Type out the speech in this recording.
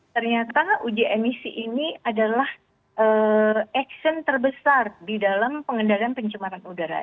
ternyata uji emisi ini adalah action terbesar di dalam pengendalian pencemaran udara